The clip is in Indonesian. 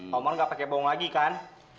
pak umar gak pakai bau lagi kan